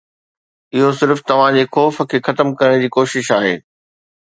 اهو صرف توهان جي خوف کي ختم ڪرڻ جي ڪوشش آهي.